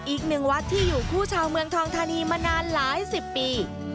อีกหนึ่งวัดที่อยู่คู่ชาวเมืองทองธานีมานานหลายสิบปี